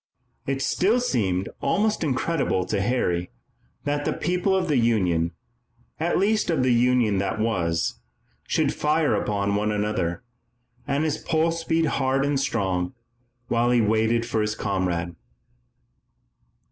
It still seemed almost incredible to Harry that the people of the Union at least of the Union that was should fire upon one another, and his pulse beat hard and strong, while he waited with his comrade.